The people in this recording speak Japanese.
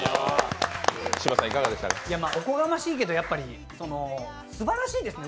おこがましいけど、やっぱりすばらしいですね。